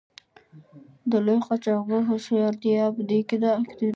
د لوی قاچاقبر هوښیارتیا په دې کې وه.